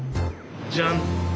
じゃん。